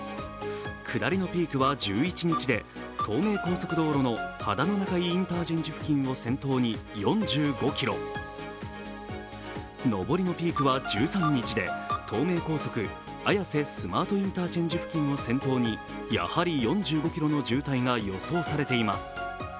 下りのピークは１１日で東名高速道路の秦野中井インターチェンジ付近を先頭に４５ｋｍ、上りのピークは１３日で、東名高速綾瀬スマートインターチェンジ付近を先頭にやはり４５ｋｍの渋滞が予想されています。